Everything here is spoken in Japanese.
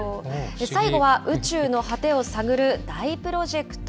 最後は宇宙の果てを探る大プロジェクト。